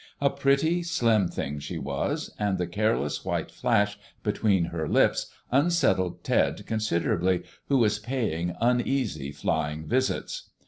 A pretty, slim thing she was, and the careless white flash between her lips unsettled Ted considerably, who was paying uneasy flying visits.